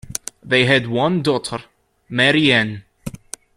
They had one daughter: Marie-Anne.